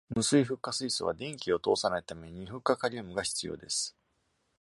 無水フッ化水素は電気を通さないため、二フッ化カリウムが必要です。